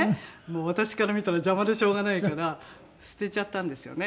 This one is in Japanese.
私から見たら邪魔でしょうがないから捨てちゃったんですよね。